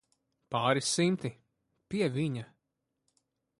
Pāris simti, pie viņa.